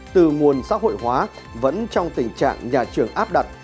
từ nguồn xã hội hóa vẫn trong tình trạng nhà trường áp đặt